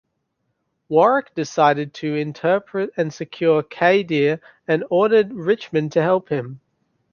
Waruch decided to intercept and secure Kadir and ordered Richmond to help him.